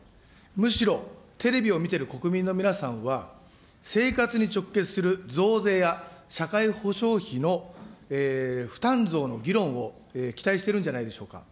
むしろ、テレビを見てる国民の皆さんは、生活に直結する増税や社会保障費の負担増の議論を期待してるんじゃないでしょうか。